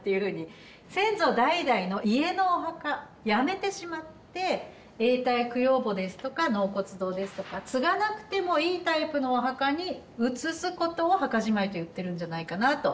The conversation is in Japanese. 先祖代々の家のお墓やめてしまって永代供養墓ですとか納骨堂ですとか継がなくてもいいタイプのお墓に移すことを墓じまいと言ってるんじゃないかなと。